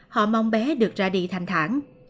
họ mong bé được ra đi thành thản